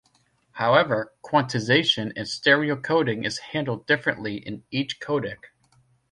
However, quantization and stereo coding is handled differently in each codec.